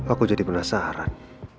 aku jadi penasaran